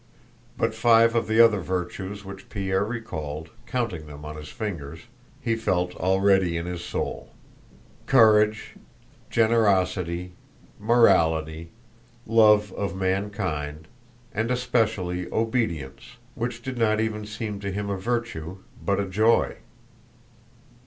But five of the other virtues which Pierre recalled, counting them on his fingers, he felt already in his soul: courage, generosity, morality, love of mankind, and especially obedience—which did not even seem to him a virtue, but a joy.